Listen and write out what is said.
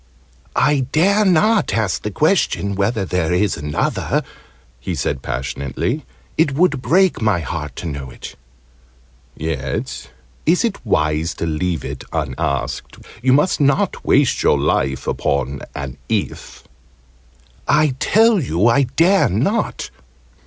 "I dare not ask the question whether there is another!" he said passionately. "It would break my heart to know it!" "Yet is it wise to leave it unasked? You must not waste your life upon an 'if'!" "I tell you I dare not!